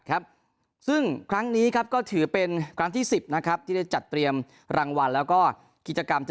ครับซึ่งครั้งนี้ครับก็ถือเป็นครั้งที่๑๐นะครับที่ได้จัดเตรียมรางวัลแล้วก็กิจกรรมที่